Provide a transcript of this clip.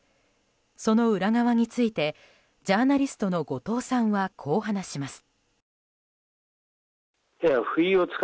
その裏側についてジャーナリストの後藤さんはこう話します。